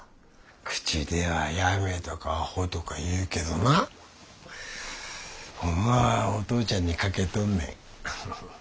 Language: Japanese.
口ではやめとかアホとか言うけどなホンマはお父ちゃんにかけとんねん。